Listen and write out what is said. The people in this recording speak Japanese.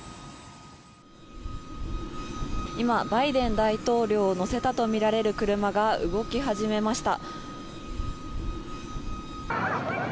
今、バイデン大統領を乗せたとみられる車が動き始めました。